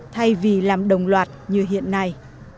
thay vì làm đồng loạt như hiện nay